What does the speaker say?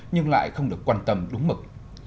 nhưng lại không được quan tâm đúng mực